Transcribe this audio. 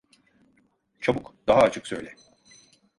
Çabuk, daha açık söyle…